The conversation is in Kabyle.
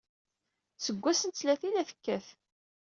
Seg wass n ttlata ay la tekkat.